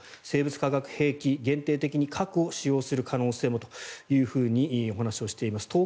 生物・化学兵器限定的に核を使用する可能性もとお話をしています。